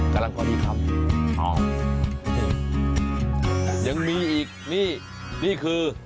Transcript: กำลังก็ดีครับอ๋อยังมีอีกนี่คือ